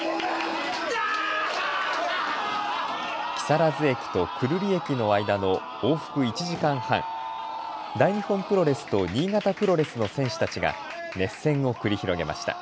木更津駅と久留里駅の間の往復１時間半、大日本プロレスと新潟プロレスの選手たちが熱戦を繰り広げました。